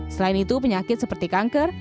selain itu penyakit seperti kanker